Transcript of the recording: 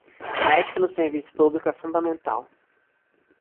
A ética no serviço público é fundamental